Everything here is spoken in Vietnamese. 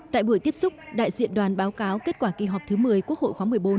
tại buổi tiếp xúc đại diện đoàn báo cáo kết quả kỳ họp thứ một mươi quốc hội khóa một mươi bốn